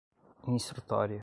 instrutória